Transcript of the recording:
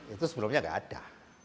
itu sebelumnya enggak ada